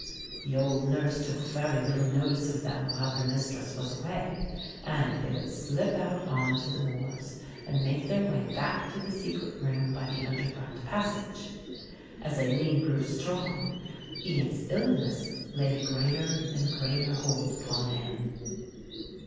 The old nurse took very little notice of them while her mistress was away and they would slip out on to the moors and make their way back to the secret room by the underground passage. As Aline grew strong Ian's illness laid a greater and greater hold upon him.